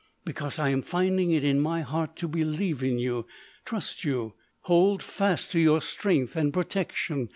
"Because I am finding it in my heart to believe in you, trust you, hold fast to your strength and protection.